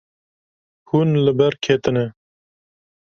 Hûn li ber ketine.